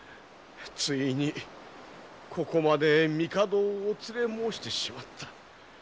ついにここまで帝をお連れ申してしまった。